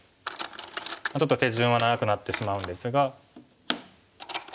ちょっと手順は長くなってしまうんですが。